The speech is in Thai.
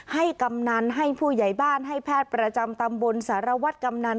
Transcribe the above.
กำนันให้ผู้ใหญ่บ้านให้แพทย์ประจำตำบลสารวัตรกำนัน